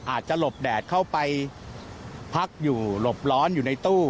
อาจจะหลบแดดเข้าไปพักอยู่หลบร้อนอยู่ในตู้